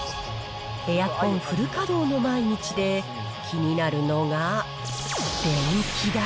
エアコンフル稼働の毎日で、気になるのが電気代。